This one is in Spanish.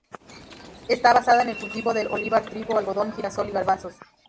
Está basada en el cultivo del olivar, trigo, algodón, girasol y garbanzos.